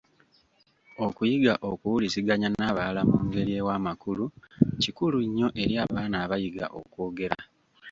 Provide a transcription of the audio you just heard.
Okuyiga okuwuliziganya n’abalala mu ngeri ewa amakulu kikulu nnyo eri abaana abayiga okwogera.